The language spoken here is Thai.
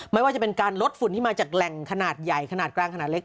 ไม่ว่าจะเป็นการลดฝุ่นที่มาจากแหล่งขนาดใหญ่ขนาดกลางขนาดเล็ก